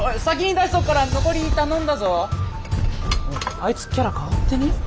あいつキャラ変わってね？